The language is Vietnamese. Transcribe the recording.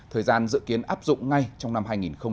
thời gian dự kiến áp dụng ngay trong năm hai nghìn hai mươi